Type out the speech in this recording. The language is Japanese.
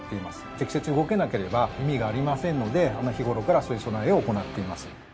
適切に動けなければ意味がありませんので日頃からそういう備えを行っています。